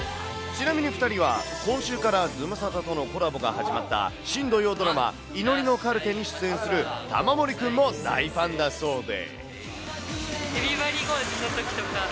ちなみに２人は、今週からズムサタとのコラボが始まった新土曜ドラマ、祈りのカルテに出演する玉森君も大ファンだそうで。